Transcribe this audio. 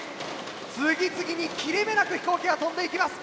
次々に切れ目なく飛行機が飛んでいきます。